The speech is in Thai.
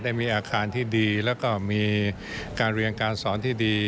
ได้มีอาคารที่ดีแล้วก็มีการเรียนการสอนที่ดี